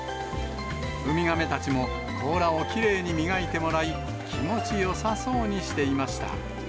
ウミガメたちも甲羅をきれいに磨いてもらい、気持ちよさそうにしていました。